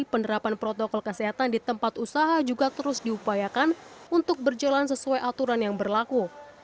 penerapan protokol kesehatan di tempat usaha juga terus diupayakan untuk berjalan sesuai aturan yang berlaku